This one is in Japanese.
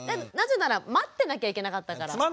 なぜなら待ってなきゃいけなかったから。